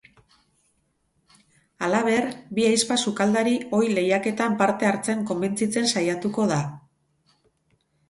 Halaber, bi ahizpa sukaldari ohi lehiaketan parte hartzen konbentzitzen saiatuko da.